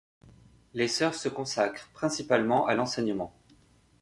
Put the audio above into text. Les sœurs se consacrent principalement à l'enseignement.